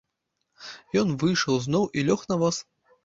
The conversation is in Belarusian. Ён выйшаў зноў і лёг на воз.